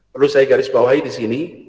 perlu saya garisbawahi di sini